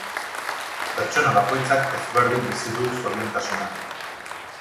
Pertsona bakoitzak ezberdin bizi du zoriontasuna.